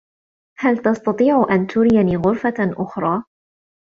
هل تستطيع أن تريني غرفة أخرى؟